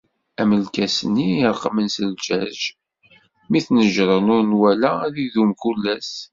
Am lkas-nni ireqmen s zǧaǧ mi t-nejṛen, ur nwala ad idum kul ass.